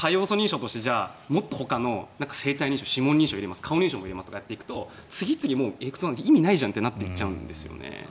多要素認証としてもっとほかの生体認証、指紋認証顔認証も入れますとかってやると意味ないじゃんとなっていっちゃうんですよね。